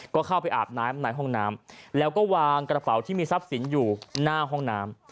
ก็เข้าไปอาบน้ำในห้องน้ำแล้วก็วางกระเป๋าที่มีทรัพย์สินอยู่หน้าห้องน้ำ